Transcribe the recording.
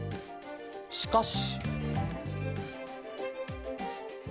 しかし。